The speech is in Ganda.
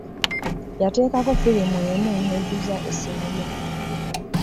Yatekako firimu emu n'ejuza essimu ye.